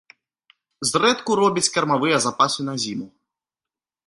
Зрэдку робіць кармавыя запасы на зіму.